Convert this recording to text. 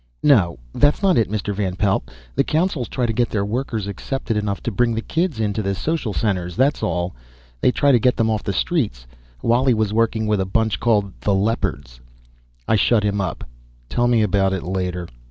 "No, that's not it, Mr. Van Pelt. The councils try to get their workers accepted enough to bring the kids in to the social centers, that's all. They try to get them off the streets. Wally was working with a bunch called the Leopards." I shut him up. "Tell me about it later!"